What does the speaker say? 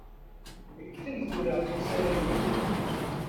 Ggten tura Yisalifiyen.